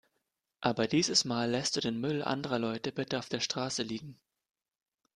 Aber diesmal lässt du den Müll anderer Leute bitte auf der Straße liegen.